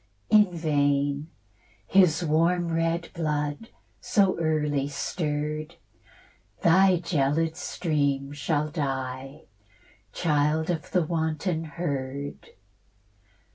In vain: his warm red blood, so early stirr'd, Thy gelid stream shall dye, Child of the wanton herd.